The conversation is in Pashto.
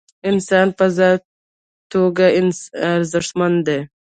انسان په ذاتي توګه ارزښتمن دی.